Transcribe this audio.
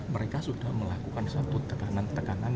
mereka sudah melakukan satu tekanan tekanan